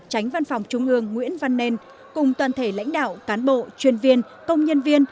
tránh văn phòng trung ương nguyễn văn nên cùng toàn thể lãnh đạo cán bộ chuyên viên công nhân viên